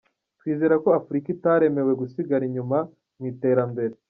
Twizera ko Afurika itaremewe gusigara inyuma mu iterambere.